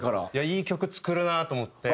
いい曲作るなと思って。